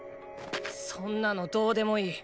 そんなのどうでもいい。